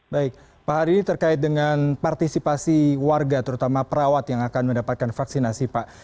baik pak hari ini terkait dengan partisipasi warga terutama perawat yang akan mendapatkan vaksinasi pak